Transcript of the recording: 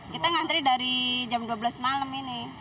kita ngantri dari jam dua belas malam ini